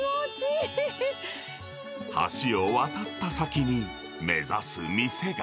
橋を渡った先に、目指す店が。